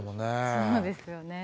そうですよね。